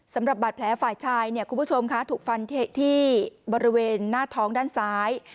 สำหรับบาดแผลฝ่ายชายเนี่ยคุณผู้ชมค่ะถูกฟันที่บริเวณหน้าท้องด้านซ้าย